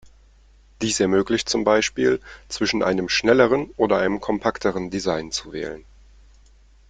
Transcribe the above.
Dies ermöglicht zum Beispiel, zwischen einem schnelleren oder einem kompakteren Design zu wählen.